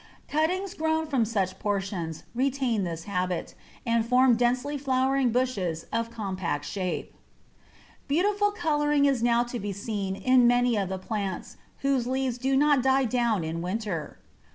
Cuttings grown from such portions retain this habit, and form densely flowering bushes of compact shape. Beautiful colouring is now to be seen in many of the plants whose leaves do not die down in winter.